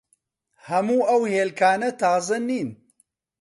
هەموو ئەو هێلکانە تازە نین.